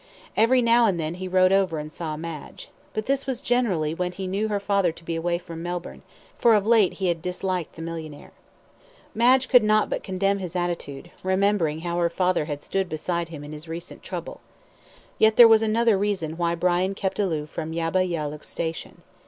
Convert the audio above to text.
Every now and then he rode over and saw Madge. But this was generally when he knew her father to be away from Melbourne, for of late he had disliked the millionaire. Madge could not but condemn his attitude, remembering how her father had stood beside him in his recent trouble. Yet there was another reason why Brian kept aloof from Yabba Yallook station.